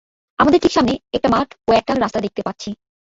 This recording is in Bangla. আমাদের ঠিক সামনে একটা মাঠ এবং একটা রাস্তা দেখতে পাচ্ছি।